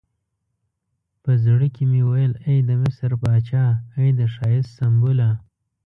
په زړه کې مې ویل ای د مصر پاچا، ای د ښایست سمبوله.